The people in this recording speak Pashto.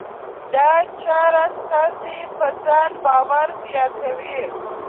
دا چاره ستاسې په ځان باور زیاتوي.